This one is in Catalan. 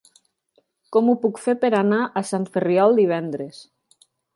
Com ho puc fer per anar a Sant Ferriol divendres?